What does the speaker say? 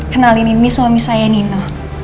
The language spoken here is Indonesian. kenalin ini suami saya nina